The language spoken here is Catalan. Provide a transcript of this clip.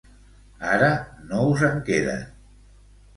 Ara no us en queden.